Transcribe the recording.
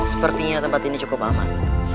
sepertinya tempat ini cukup aman